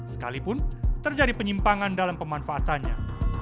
sekalipun terjadi penyimpangan dalam pemanfaatannya